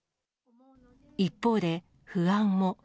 一方で、不安も。